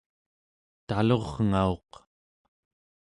talurngauq